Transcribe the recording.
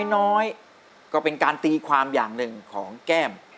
น้อยก็เป็นการตีความอย่างหนึ่งของแก้ม